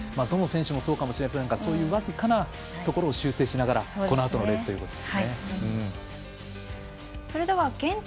どの選手もそうかもしれませんがそういう僅かなところを修正しながら、このあとのレースということですね。